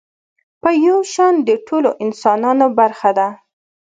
په يو شان د ټولو انسانانو برخه ده.